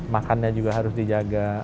makannya juga harus dijaga